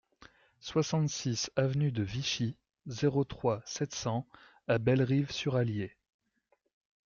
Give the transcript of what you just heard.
soixante-six avenue de Vichy, zéro trois, sept cents à Bellerive-sur-Allier